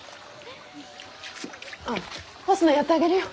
あっ干すのやってあげるよ。